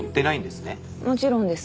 もちろんです。